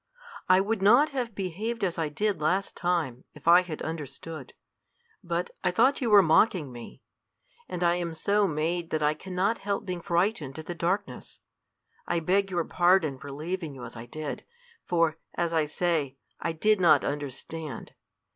"I would not have behaved as I did last time if I had understood; but I thought you were mocking me; and I am so made that I can not help being frightened at the darkness. I beg your pardon for leaving you as I did, for, as I say, I did not understand.